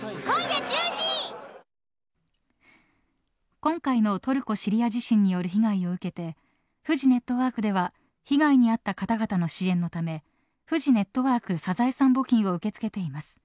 今回のトルコ、シリア地震による被害を受けてフジネットワークでは被害に遭った方々の支援のためフジネットワークサザエさん募金を受け付けています。